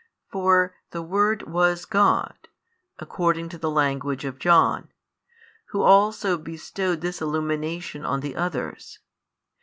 For the Word was God, according to the language of John, Who also bestowed this illumination on the others.